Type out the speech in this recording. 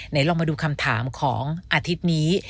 ลองมาดูคำถามของอาทิตย์นี้